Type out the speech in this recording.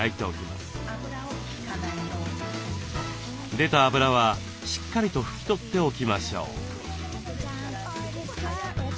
出た油はしっかりと拭き取っておきましょう。